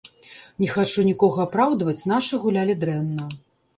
Не хачу нікога апраўдваць, нашы гулялі дрэнна.